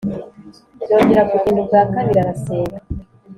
Yongera kugenda ubwa kabiri arasenga